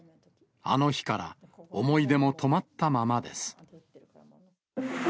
あの日から思い出も止まったままです。